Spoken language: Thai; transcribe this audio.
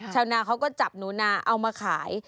ชาวนาเขาก็จับหนูนาเอามาขาย